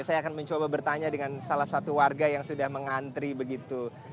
saya akan mencoba bertanya dengan salah satu warga yang sudah mengantri begitu